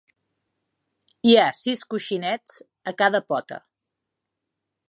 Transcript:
Hi ha sis coixinets a cada pota.